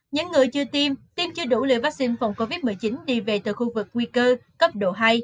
những người chưa tiêm tiêm chưa đủ liều vaccine phòng covid một mươi chín đi về từ khu vực nguy cơ cấp độ hai